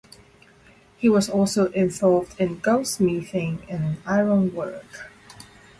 He was also involved in goldsmithing and ironwork.